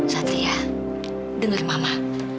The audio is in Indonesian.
sati ya dengar mama